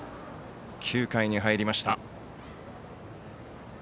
９回に入りました。